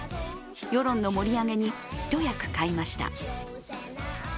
世論の盛り上げに一役買いました。